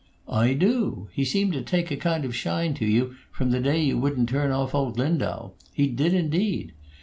"I do! He seemed to take a kind of shine to you from the day you wouldn't turn off old Lindau; he did, indeed.